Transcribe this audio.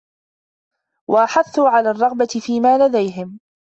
وَأَحَثُّ عَلَى الرَّغْبَةِ فِيمَا لَدَيْهِمْ